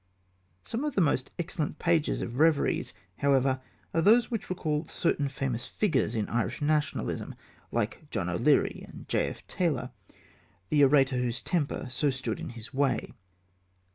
Some of the most excellent pages of Reveries, however, are those which recall certain famous figures in Irish Nationalism like John O'Leary and J.F. Taylor, the orator whose temper so stood in his way.